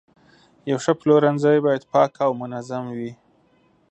یو ښه پلورنځی باید پاک او منظم وي.